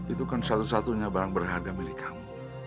itu kan satu satunya barang berharga milik kamu